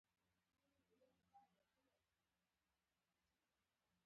وړ کس وو.